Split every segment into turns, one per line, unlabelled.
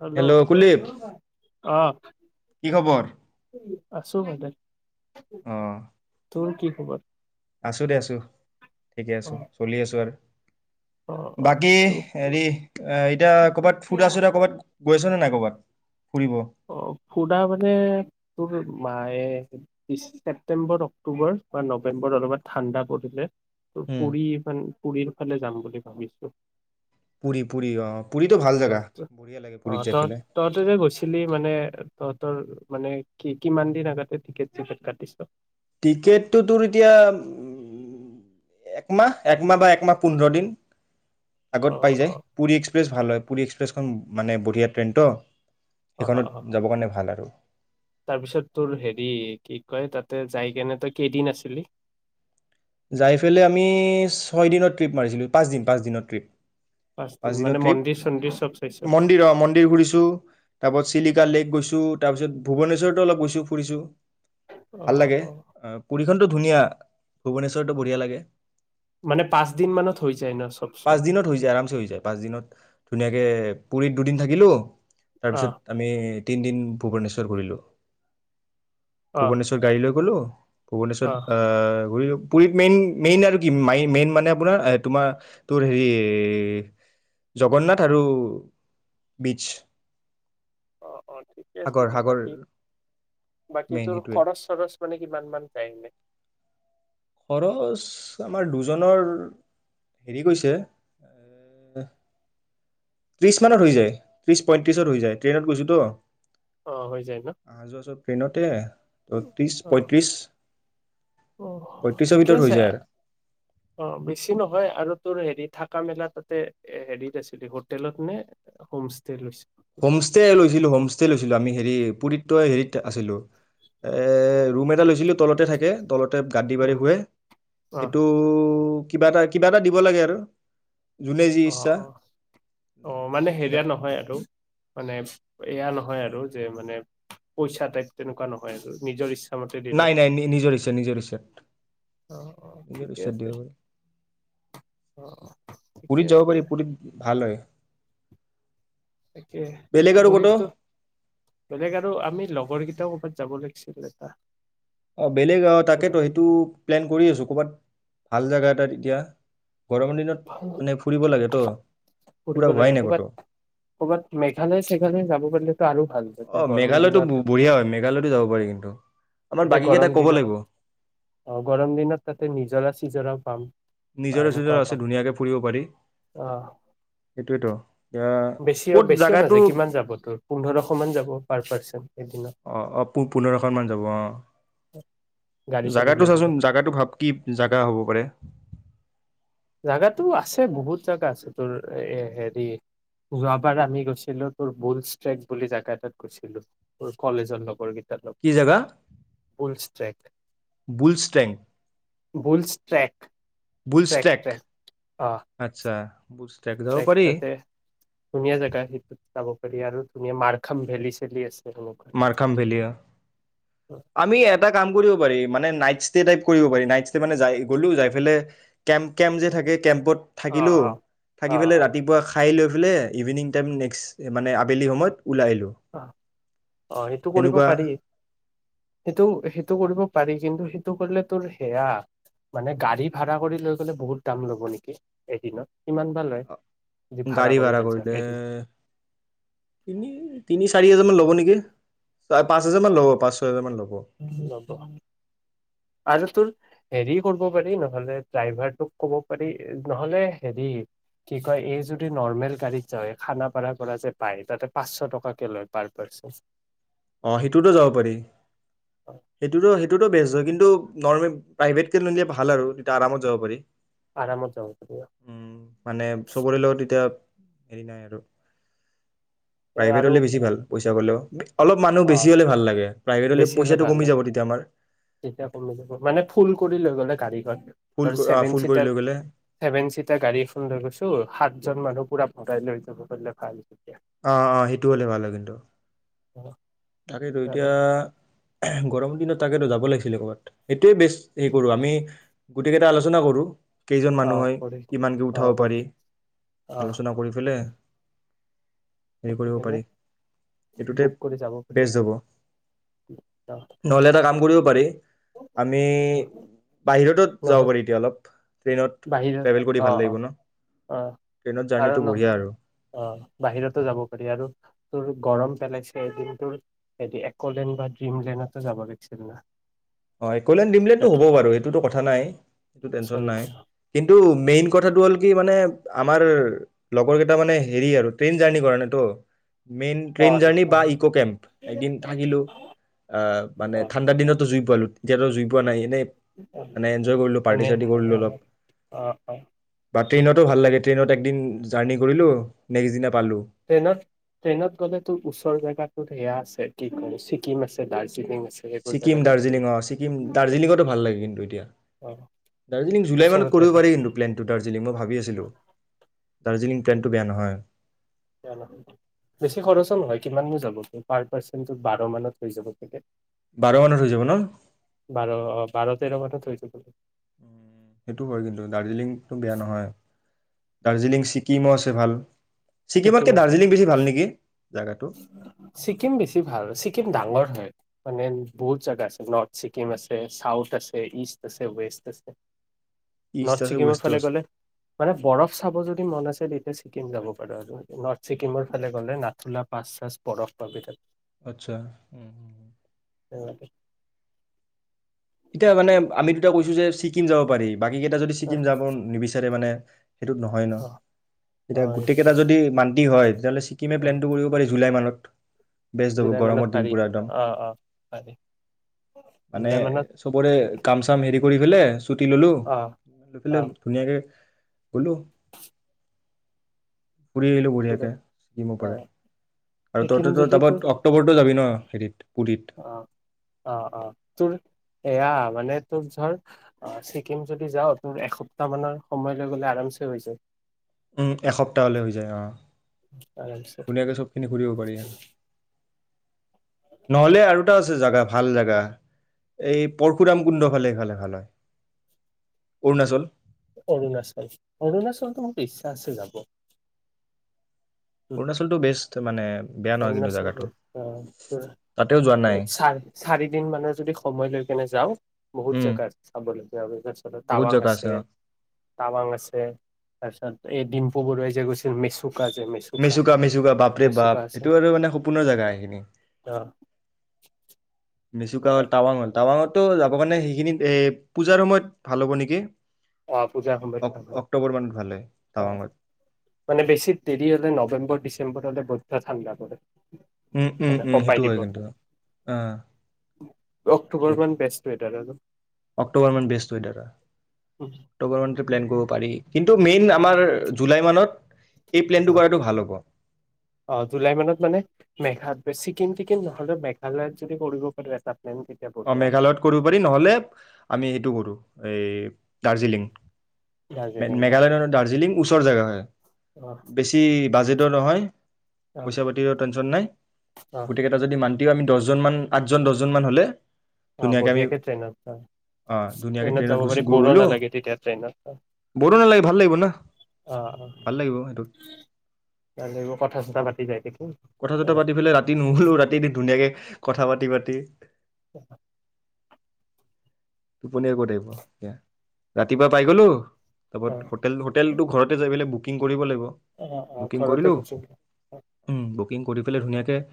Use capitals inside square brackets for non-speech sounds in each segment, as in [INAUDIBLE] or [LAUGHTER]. Hello অহ।
কি খবৰ
আছু মই দে তুম কি? খবৰ
আছোঁ দে, আছোঁ। ঠিকে আছোঁ,
অ',
চলি আছোঁ আৰু।
অ', অ',
বাকী
তোৰ
হেৰি, এতিয়া কৰ'বাত ফুৰা চুৰা কৰ'বাত গৈছনে নাই কৰ'বাত? ফুৰিব
অ', ফুৰা মানে তোৰ ছেপ্টেম্বৰ, অক্টোবৰ বা নৱেম্বৰত অলপমান ঠাণ্ডা পৰিলে অ',
উম
পুৰীৰ ইফাল পুৰীৰ ফালে যাম বুলি ভাবিছো।
পুৰী, পুৰী আহ পুৰীটো ভাল জাগা
অ', ত-
বঢ়িয়া লাগে
অ',
পুৰীত যাই
তই
ফেলাই
তহঁতে যে গৈছিলি মানে তহঁতৰ মানে কি কিমান দিন আগতে টিকট চিকট কাটিছ।
টিকেটটো তোৰ এতিয়া উ'ম একমাহ একমাহ বা একমাহ পোন্ধৰ দিন আগত পাই যায়
অ',
পুৰী এক্সপ্ৰেছ ভাল হয় পুৰী এক্সপ্ৰে এক্সপ্ৰেছখন মানে বঢ়িয়া ট্ৰেইনতো
অ', অ', অ',
সেইখনত যাবৰ কাৰণে ভাল আৰু
তাৰপিছত তোৰ হেৰি কি কয় তাতে যাই কেনে তই কেইদিন আছিলি
যাই পেলাই আমি ছয় দিনৰ ট্ৰিপ মাৰিছিলোঁ, পাঁচদিন পাঁচদিনৰ ট্ৰিপ
পাঁচ দিন
পাঁচদিনৰ
মানে
ট্ৰিপ
মন্দিৰ চন্দিৰ চব চাইছ
মন্দিৰ অ', মন্দিৰ ঘুৰিছো তাৰপাছ চিলিকা লেক গৈছো তাৰপিছত ভূৱনেশ্বৰৰতো অলপ গৈছো ফুৰিছো। ভাল লাগে অ', পুৰী এইখনটো ধুনীয়া ভূৱনেশ্বৰটো বঢ়িয়া লাগে।
মানে পাঁচ দিন মানত হৈ যায় ন চব
পাঁচ
চোৱা
দিনত হৈ যায় আৰামচ হৈ যায় পাঁচ দিনত ধুনীয়াকে পুৰীত দুদিন থাকিলো।
অ
তাৰপিছত আমি তিনিদিন ভূৱনেশ্বৰ ঘূৰিলোঁ।
অ
ভূৱনেশ্বৰ গাড়ীলৈ গ'লো। ভূৱনেশ্বত
অ
ঘূৰিলো। পুৰীত মেইন মেইন আৰু কি মন মেইন মানে আপোনাৰ তোমাৰ তোৰ হেৰি জগন্নাথ আৰু বিচ
অ', অ', ঠিকে আছে দিয়া বাকী বাকী
মেইন
তোৰ
সেইটোৱে
খৰচ চৰচ মানে কিমান মান যায় এনে
খৰচ আমাৰ দুজনৰ হেৰি গৈছে এ ত্ৰিশ মানত হৈ যায় ত্ৰিশ পইয়ত্ৰিশত হৈ যায় ট্ৰেইনত গৈছোতো
অ হৈ যায় ন
অহা যোৱা চব ট্ৰেইনতে ত ত্ৰিশ
অ
পয়ত্ৰিশ
অ', ঠিকে আছে
আৰু
অ', বেছি নহয় আৰু তোৰ হেৰি থাকা মেলা তাতে এ হেৰিত আছিল হোটেলত নে হোমষ্টে লৈছিলি।
হোমষ্টে লৈছিলো, হোমষ্টে লৈছিলো আমি হেৰি পুৰী ত হেৰিত আছিলো এ ৰুম এটা লৈছিলোঁ তলতে থাকে তল তে গাদদি পাৰি শুৱে
অ
সেইটো কিবা এটা কিবা এটা দিব লাগে আৰু যোনে যি
অ',
ইচ্ছা
অ', অ',
যোনে
মানে
যি ইচ্ছা
হেৰিয়া নহয় আৰু মানে এয়া নহয় আৰু যে মানে পইচা টাইপ তেনেকুৱা নহয় আৰু নিজৰ ইচ্ছা।
নাই - নাই নিজৰ ইচ্ছাত -নিজৰ ইচ্ছাত
অ অ
-নিজৰ
ঠিকে
ইচ্ছাত
আছে
দিব পাৰি।
অ অ ঠিকে
পো যাব
আছে
পাৰ পুৰিত ভাল হয়।
তাকে
বেলেগ আৰু ক'তো
বুঢ়ীতো বেলেগ আৰু আমি লগৰ কেইটা কবাত যাব লাগিছিল এটা।
অ ', বেলেগ অ ',
পুৰা
তাকেতো সেইটো প্লেন কৰি আছো কবাত। ভাল জেগা এটাত এতিয়া। গৰমৰ দিনত
হহ
মানে ফুৰিব লাগেতো
',
ফুৰা
ফুৰিব
হোৱাই
লাগে
নাই ক'তো
কবাত -কবাত মেঘালয় চেঘালয় যাব পাৰিলেতো আৰু। ভাল তাতে
অ',
গৰম
মেঘালয়তো
দিনত
বঢ়িয়া হয় মেঘালয়তো যাব পাৰি কিন্তু। আমাৰ
তাতে
বাকীকেইটাক
গৰম
ক'ব
দিনত
লাগিব
অ', গৰম দিনত তাতে নিজৰা চিজৰা পাম। বা
নিজৰে চিজৰা
এনেকুৱাও
আছে
পাম
ধুনীয়াকে ফুৰিব পাৰি
অ
সেইটোয়েতো ইয়াত
বেছিও - বেছিও নাযায় কিমান যাব তোৰ পোন্ধৰশ মান যাব পাৰ পাৰ্চন। এদিনত
অঁ', - অঁ ', প -পোন্ধৰখনমান যাব অঁ',
গাড়ী চাড়ী
যাগাটো
লৈ
চাচোন
গ'লে
জাগাটো ভাব কি জাগা হ'ব পাৰে।
জগাতো আছে বহুত জাগা আছে তোৰ এ', হেৰি যোৱাবাৰ আমি গৈছিলো তোৰ বুলচ ট্ৰেক বুলি জেগা এটাত গৈছিলো তোৰ কলেজৰ লগৰ কেইটা।
কি জাগা
বোলচ ট্ৰেক
বুলষ্টেং
বুলছ ট্ৰেক।
বোলচ ট্ৰেক
অ
আচ্ছা। কা ',
ট্ৰেক তাতে ধুনীয়া জোগা সেইটোত যাব। আৰু ধুনীয়া মাৰখাম ভেলি চলি আছে। সেনেকুৱা।
মাৰখাম ভেলীয়া আমি এটা কাম কৰিব পাৰি মানে নাইটচ ষ্টে টাইপ কৰিব পাৰি নাইট ষ্টে মানে যাই গলো যাই কেম্প - কেম্প যে থাকে কেম্পত।
অ
থাকিলো
অ
থাকি
অ
পেলাই
অ
ৰাতিপুৱা খাই লৈ বোলে ইভিনিং টাইম নেক্সট মানে আবেলি সময়ত, ওলাই আহিলোঁ
আঁহ ', অ', এইটো কৰিব
এনেকুৱা
পাৰি। সেইটো - সেইটো কৰিব পাৰি কিন্তু সেইটো কৰিলে তোৰ সেয়া মানে গাড়ী ভাৰা কৰি লৈ গলে বহুত দাম ল'ব নেকি, এদিনত কিমান বা লয়? যদি
গাড়ী ভাড়া
লৈ
কৰি
যাওঁ এদিন
দে', তুমি তুমি চাৰি হাজাৰ মান ল'ব নেকি। পাঁচ হাজাৰ মান ল'ব পাঁচ ছয় হাজাৰ মান ল'ব।
ব আৰু তোৰ হেৰি কৰিব পাৰি নহলে ড্ৰাইভাৰটোক ক'ব পাৰি নহলে হেৰি কি কয় এই যদি নৰ্মেল গাড়ীত যায় খানাপাৰা পৰা যে পায় তাতে পাঁচশ টকাকে লয় পাৰ পাৰ্চন
অ সেইটোতো যাব পাৰি সেইটোতো সেইটোতো বেস্ত হয় কিন্তু নৰ্মেল প্ৰাইভেট কে লিলে ভাল আৰু তেতিয়া আৰামত যাব পাৰি
আৰামত যাব পাৰিব
উম মানে চবৰে লগত এতিয়া হৰি ন আৰু
আৰু
প্ৰাইভেটলৈ বেছি ভাল পইচা গ'লেও অলপ মানুহ বেছি
অ'
হলে ভাল লাগে প্ৰাইভেট
বেছি হ'লে
পইচাটো
ভাল
কমি
হয়
যাব তেতিয়া আমাৰ
তেতিয়া কমি যাব মানে ফুল কৰি লৈ গলো়ীখন ধ
ফুল ক- আ,
চছেভেন
ফুল কৰি
চিটাৰ
লৈ গ'লে
চছেভেন চিটাৰ গাড়ী এখন লৈ গৈছো সাতজন মানুহ পুৰা মাই চব কৰিলে খাইতিয়া
আহ অ সেইটো হ'লে ভাল হয় কিন্তু
অ
তাকেইতো এতিয়া গৰম দিনত তাকেতো যাব লাগিছিল ক'ৰবাত এইটোৱে বেছ হ কৰো আমি গোটেইকেইটা আলোচনা কৰো কেইজন
অ'
মানুহে
কৰি
কিমানকৈ
অ
উঠাব
কৰি
পাৰি আলোচনা কৰি পেলাই হেৰি কৰিব পাৰি
সেইকাৰে বুক কৰি যাব পাৰে
ন
অ
এ কৰিব বৰে আমি
অ
বাহিৰতো যাব
নহ'লে
পাৰি এতিয়া অলপ ট্ৰেইনত ট্ৰেভেল কৰি
বাহিৰত অ
ভাল
অ
লাগিব ন
অ
ট্ৰেইনত
আৰু
জাৰ্ণিটো বঢ়িয়া আৰু
নহ অ বাহিৰতো যাব পাৰি আৰু তোৰ গৰম বেলেদিনটো এক লেন বা ড্ৰিম লেনতো যাব লাগিছিলা
অ এক দিমো হ'ব বাৰু এইটোতো কথা নাই এইটো টেনন নাই
ওচৰতে
কিন্তু মেইন কথাটো হ'ল কি মানে আমাৰ লগৰ কেইটা মানে হেৰি আৰু ট্ৰেইন জাৰ্ণিৰ কৰা নেতো মেইন ট্ৰেইন
অ',
জাৰ্ণি
সেইটো
বা ইকো কেম্প এদিন থাকিলো অ মানে
অ',
ঠাণ্ডা দিনতো জুই পালো এতিয়াাতো জুই পোৱা নাই এনে
অ',
মে এনজয় কৰিলো পাৰ্টি
এনে
চাৰ্টি কৰিলো অলপ
অ', অ', অ',
বা ট্ৰেইনতো ভাল লাগে ট্ৰেইনত একদিন জাৰ্ণি কৰিলো নেক্সট দিনা পালোঁ
ট্ৰেইনত ট্ৰেইনত গ'লে তোৰ ওচৰ জেগাত সেয়া আছে কি কো ছিকিম আছে দাৰ্জিলিং আছে সেইবোৰ
ছিকিম
জেগা যাব পাৰি
দাৰ্জিলিং অ ছিকিম দাৰ্জিলিঙতো ভাল লাগে কিন্তু এতিয়া
অ',
দাৰ্জিলিং জুলাই মানত
ওচৰতে
কৰিব
হয়
পাৰি কিন্তু প্লেনটো দাৰ্জিলিং মই ভাবি আছিলোঁ দাৰ্জিলিং প্লেনটো বেয়া নহয়
বেয়া নহয় বেছি খৰচো নহয় কিমাননো যাব পাৰ পাৰ্চেনটো বাৰ মমানত হৈ যাব লাগে
বাৰ মানত হৈ যাব ন
বাৰ অ বাৰ তেৰ মথাতৈ য
উ সেইটো হয় কিন্তু দাৰ্জিলিংটো বেয়া নহয় দাৰ্জিলিং ছিকিমো আছে ভাল
ছিকিম
ছিকিমতকে
আছে
দাৰ্জিলিং বেছি ভাল নেকি জেগাটো
ছিকিম বেছি ভাল ছিকিম ডাঙৰ হয় মান বহুত জাগা আছে নৰ্থ ছিক্কিম আছে সউথ আছে ইঈষ্ট আছে ৱেষ্ট আছে
ইষ্ট
নৰ্থ
আছে
ছিকিমৰ
ৱেষ্টো
ফালে
আছে
গ'লে মানে বৰফ চাব যদি মন আছে এতি চ ছিকিম যাব পাৰো আৰু নৰ্থ ছিক্িমৰ ফালে গ'লে নাথুলা পাঁচ চাঁচ পৰস পাব তাত
আচ্ছা উম
অকে
এতিয়া মানে আমি দুটা কৈছো যে ছিকিম যাব পাৰি বাকীকেইটা যদি
অ
ছিকিম যাব নিবিচাৰে মানে উ সেইটোত নহয় ন
অ অ
এতিয়া গোটেই
এইটোৱে
কেইটা যদি মান্তি হয় তেতিয়াহ'লে ছিকিমে
অ
প্লেন টো কৰিব পাৰি জুলাই মানত [UNINTELLIGIBLE]
জুলাই মানত
গৰমৰ দিন
শাৰি
পুৰা একদম
অ অ শ়ি জুলাই মানত
ক চ হে কৰি ছুটি ল'লোঁ
অ
লৈ
অ
পেলাই ধুনীয়াকৈ বলো ফুৰি আহিলোঁ
জুলাই
বঢ়িয়াকৈ ছিকিমৰ
অ
পৰাই আৰু
ছিকিম
ততে
যদি
তপত
তোৰ
অক্টোবৰটো যাবি ন হেৰিত পুৰীত
অ অ অ তোৰ এয়া মানে তোৰ ধৰ ছিকিম যদি যাও তোৰ এসপ্তাহ মানৰ সময়লৈ গলে আৰামছে হৈ যায়
উম এসপ্তাহলে হৈ যায় অ
আৰামছে
ধুনীয়াকে চবখিনি ঘূৰিব পাৰি আৰু নহ'লে আৰুটা আছে জাগা ভাল জোগা এই পৰশুৰাম কুণ্ড ফালেফালে ভাল হয় অৰুণাচল
অৰুণাচল অৰুণাচলতো মোৰ ইচ্ছা আছে যাব
অৰুণাচলটো বেষ্ট মানে বেয়া নহয় কিন্তু
অৰুণাচল
জাগাটো
আহ
তাতেও যোৱা নাই
চ চাৰি দিন মানৰ যদি সময় লৈ কেনে যাও বহুত
উম
জোগা চাবলৈ যাব তাৰপিছত
বহুত
টাৱাং
জেগা
আছে
অ
টাৱাং আছে তাৰপিছত এই ডিম- পবৰ ৰইজ গৈছে মেচু কাজে -
মিচুকা মিচুকা বাপৰে বাপ সেইটো আৰু মানে সপোনৰ জেগা সেইখিনি।
অ
মেচুকা টাৱাঙল টাৱাঙত- তো যাবৰ কাৰণে সেইখিনিত এ পূজাৰ সময়ত ভাল হ'ব নেকি?
অ পূজাৰ
অক অক্টোবৰ মানত ভাল
সময়ত
হয়
অ
টাৱাঙত
মানে বেছি দেৰি হলে নৱেম্বৰ ডিচেম্বৰ হলে - ত ঠাণ্ডা পৰে।
উম উম
মানে
উম সেইটো
কপাই
হয়
দিব,
কিন্তু অ তাকেতো
অক্টোবৰ মান বেষ্ট - দাদ [UNINTELLIGIBLE]
অক্টোবৰ মান বেষ্ট [UNINTELLIGIBLE] অক্টোবৰ মানতে প্লেন কৰিব পাৰি। কিন্তু মেইন আমাৰ জুলাই মানত- এই প্লেনটো
অ
কৰাটো ভাল হ'ব
অ জুলাই মানত মানে মেঘা- ছিকিম থিকিম নহলে মেঘালয়ত যদি কৰিব পাৰো এটা -
অ মেঘালয়ত কৰিব পাৰি নহলে আমি এইটো কৰো- এই দাৰ্জিলিং।
দাৰ্জিলিঙত
মেঘালয় দাৰ্জিলিং ওচৰ জেগা হয়
অ
বেছি বাজেট- নহয়।
অ
পইচা পাতি টেনচন নাই
অ
গোটেই কেইটা যদি মান- তেতি আমি দহজন মান আঠজন দহজন মান হলে-
অ
ধুনীয়াকে আমি
বঢ়িয়াকে ট্ৰেইনতা
অঁ ধুনীয়াকে
ট্ৰেইনত যাব
গুচি
পাৰি বৰো
গ'লো
নালাগে তেতিয়া ট্ৰেইনত
ব'ৰো নালাগে ভাল লাগিব না
অ
ভাল লাগিব সেইটোত
অ কথা চথা পাতি যায় থাকি -
কথা চথা পাতি পেলাই ৰাতি নহ'লো ৰাতি ধ- ধুনীয়াকে কথা পাতি পাতি-
অ।
টোপনিয় কত আহিব এয়া ৰাতিপুৱা পাই গলোঁ।
অ
তাৰ হোটেল হোটেলটো ঘৰতে যাই পেলাই বুক - বুকিং কৰিব লাগিব।
অ অ
বুকিং
ঘৰতে
কৰিলোঁ
ক-
বুকিং কৰি পেলাই ধুনীয়াকে-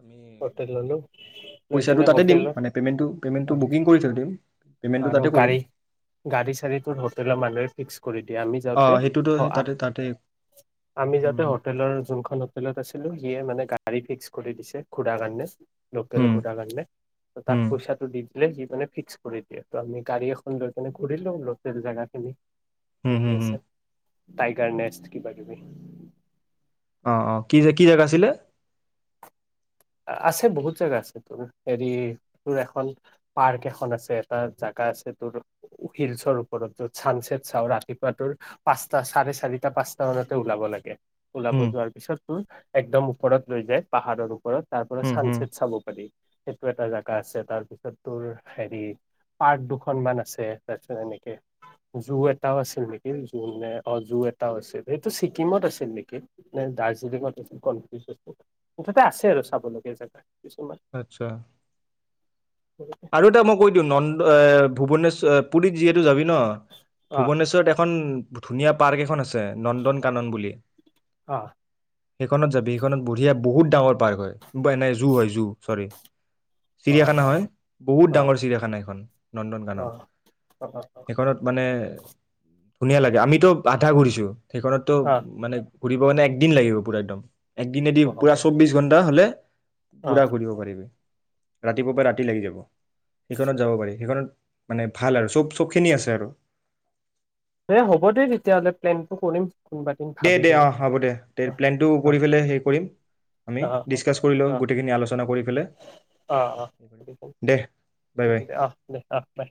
আমি
হোটেল ললো লৈ
পইচাটো
কেনে
তাতে দিম
হোটেলত
মানে পেমেণ্টটো পেমেণ্টটো বুকিং কৰি থৈ দিম। পে'মেণ্টটো
আৰু
তাতে কৰিম
গাড়ী গাড়ী চাড়ী ত হোটেলৰ মানুহে ফিক্স কৰি দিয়া। আমি যাতে
অঁ সেইটোতো তাতে
হোটেলৰ যোনখন হোটেলত আছিলো সিয়ে মানে গা- গাড়ী ফিক্স কৰি দিছে ঘূৰা কাৰণে- লোকেল
তাতে
ঘোটাৰ লাগিলে তাক পইচাটো দি সি মানে ফিক্স কৰি। আমি গাড়ী এখন লৈ কেনে ঘূৰি লম লকেল জেগাখিনি। ঠিকেই আছে। টাইগাৰ নেষ্ট কিবা কিবি।
অ অ কি যে কি জেগা আছিলে?
আছে বহুত জেগা আছে তোৰ হেৰি তোৰ এখন পাৰ্ক এখন আছে, এটা জাগা আছে তোৰ হিলচৰ ওপৰত যত চানছেট চাওঁ ৰাতিপুৱা তোৰ পাঁচটা চাৰে চাৰিটা পাঁচটা মানতে ওলাব লাগে, ওলাব
উম
যোৱাৰ পিছত তোৰ একদম ওপৰত লৈ যায় পাহাৰৰ ওপৰত। তাৰ পৰা
উম হুম।
চানচট চাব পাৰি। সেইটো এটা জাগা আছে তাৰপিছত তোৰ হেৰি পাৰ্ক দুখনমান আছে। তাৰপিছত এনেকে জু এটাও আছিল নেকি জু নে অ জু এটাও আছিল সেইটো ছিকিমত আছিল নেকি নে দাৰ্জিলিঙত আছিল কনফিউজ আছিল মুঠতে আছে আৰু খাবলৈগে যেন
আচ্ছা। আৰু এটা মই কৈ দিওঁ নন্দ এ ভূৱনেশ্বৰ পুৰীত যিহেতু যাবি। ন
অ
ভূুৱনেশ্বৰত এখন ধুনীয়া পাৰ্ক এখন আছে। নন্দনকানন বুলি।
অ
সেইখনত যাবি সিখনত বঢ়িয়া বহুত ডাঙৰ পাৰ্ক হয় নুবাই জু হয় জু। চৰি।
অ
চিৰিয়াখানা
অ অ
হয়। বহুত
অ
ডাঙৰ চিৰিয়াখানা সেইখন নন্দন গানৰ।
অ
সেইখনত মানে ধুনীয়া লাগে আমিতো বাধা ঘুৰিছো। সেইখনতটো মানে। ঘূৰিব কাৰণে একদিন লাগিব পুৰা একদম। একদিনেদি
অ অ
পূৰা চৌব্বিছ ঘণ্টা হ'লে।
অ
পুৰা ঘুৰিব পাৰিবি। ৰাতিপুৱাৰ পৰা ৰাতি লাগি যাব। সেইখনত যাব পাৰি সেইখনত। মানে ভাল আৰু চব চব খিনি আছে আৰু।
দে হ'ব দে তেতিয়াহ'লে প্লেনটো কৰিম। কোনোবা দিন
দে
ভাবি
দে
কেনে
অহ হ'ব দে
অ
প্লেনটো
অ
কৰি পেলে হেৰি কৰিম আমি
অ অ
ডিচকাছ কৰি
অ
লওঁ গোটেইখিনি আলোচনা কৰি
অ অ
পেলাই দে
অ
বাই বাই।
দে অ দে অ বাই